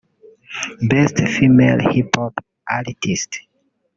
Best Female Hip-Hop Artist